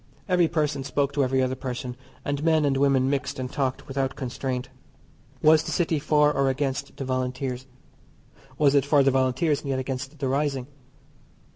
Every person spoke to every other person, and men and women mixed and talked without constraint. Was the City for or against the Volunteers? Was it for the Volunteers, and yet against the rising?